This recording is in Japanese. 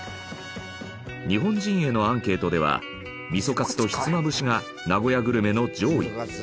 日本人へのアンケートでは味噌カツとひつまぶしが名古屋グルメの上位。